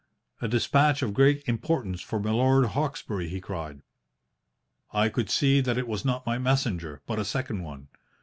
"'A despatch of great importance for Milord Hawkesbury!' he cried. "I could see that it was not my messenger, but a second one.